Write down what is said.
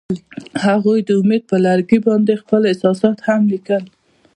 هغوی د امید پر لرګي باندې خپل احساسات هم لیکل.